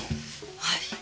はい。